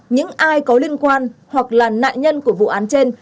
những ai có liên quan hoặc là nạn nhân của vụ án trên